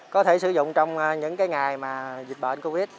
có thể sử dụng trong những ngày mà dịch bệnh covid